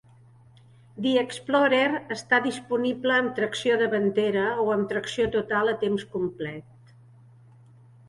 The Explorer està disponible amb tracció davantera o amb tracció total a temps complet.